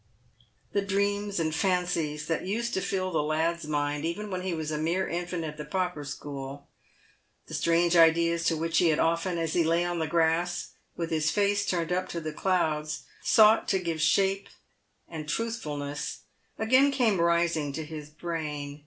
The dreams and fancies that used to fill the lad's mind even when he was a mere infant at the pauper school — the strange ideas to which he had often, as he lay on the grass with his face turned up to the clouds, sought to give shape and truthfulness, again came rising to his brain.